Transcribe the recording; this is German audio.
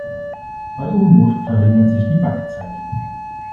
Bei Umluft verringert sich die Backzeit.